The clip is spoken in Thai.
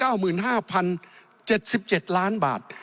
มากถึง๖๙๕๐๗๗ล้านบาทมากถึง๖๙๕๐๗๗ล้านบาท